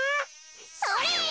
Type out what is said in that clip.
それ！